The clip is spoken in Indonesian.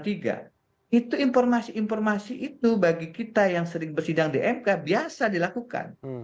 itu informasi informasi itu bagi kita yang sering bersidang di mk biasa dilakukan